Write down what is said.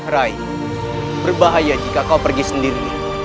rai berbahaya jika kau pergi sendiri